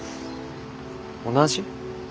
同じ？